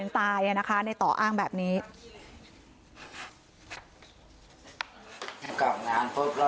เมื่อเรากลับสี่กันบ้านได้ละคือกับถามว่า